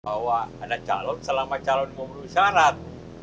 bahwa ada calon selama calon memenuhi syarat